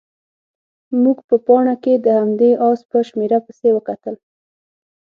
موږ په پاڼه کې د همدې اس په شمېره پسې وکتل.